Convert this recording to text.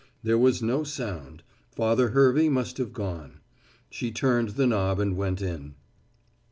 There was no sound. Father Hervey must have gone. She turned the knob and went in.